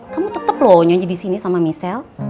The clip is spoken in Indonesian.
kamu tetep loh nyanyi di sini sama michelle